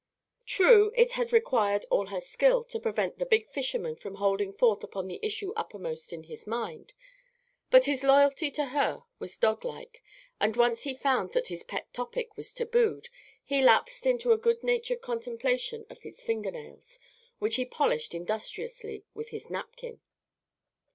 True, it had required all her skill to prevent the big fisherman from holding forth upon the issue uppermost in his mind; but his loyalty to her was doglike, and once he found that his pet topic was tabooed, he lapsed into a good natured contemplation of his finger nails, which he polished industriously with his napkin.